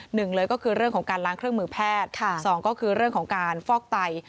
หนึ่งเลยก็คือเรื่องของการล้างเครื่องมือแพทย์สองก็คือเรื่องของการฟอกไต